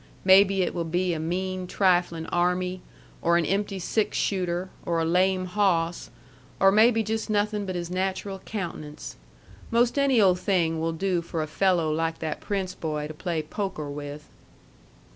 Maybe it will be a mean, triflin' army, or an empty six shooter, or a lame hawss, or maybe just nothin' but his natural countenance. 'Most any old thing will do for a fello' like that Prince boy to play poker with."